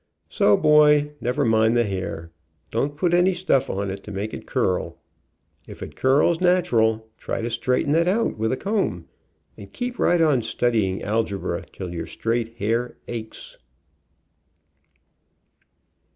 So, boy, never mind the hair. Don't put any stuff on it to make it curl. If it curls natural, try to straighten it out with a comb, and keep right on studying algebra, till your straight hair aches.